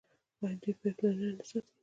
آیا دوی پایپ لاینونه نه ساتي؟